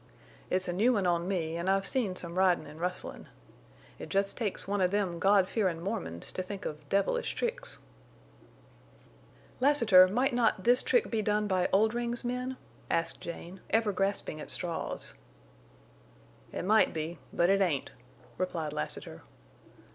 It's a new one on me, an' I've seen some ridin' an' rustlin'. It jest takes one of them God fearin' Mormons to think of devilish tricks." "Lassiter, might not this trick be done by Oldring's men?" asked Jane, ever grasping at straws. "It might be, but it ain't," replied Lassiter.